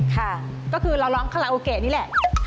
ก็คือเราร้องคราโลเกนี่แหละ